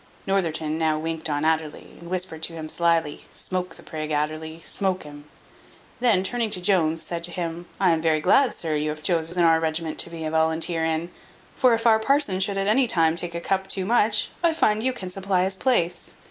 Northerton now winked on Adderly, and whispered to him slily, "Smoke the prig, Adderly, smoke him." Then turning to Jones, said to him, "I am very glad, sir, you have chosen our regiment to be a volunteer in; for if our parson should at any time take a cup too much, I find you can supply his place.